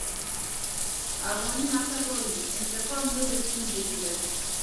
افغاني متل وایي انتقام نورې ستونزې جوړوي.